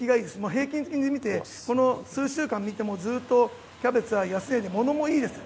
平均的に見て、ここ数週間見てもずっとキャベツは安くてものもいいです。